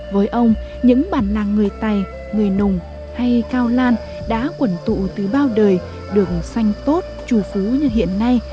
với ông những bản năng người tày người nùng hay cao lan đã quẩn tụ từ bao đời được sanh tốt trù phú như hiện nay